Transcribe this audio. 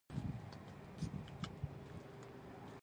یو ډالر د څلورو پیزو په مقابل کې تبادله کېده.